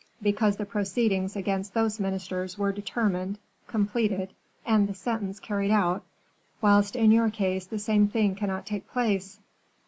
"Because the proceedings against those ministers were determined, completed, and the sentence carried out, whilst in your case the same thing cannot take place."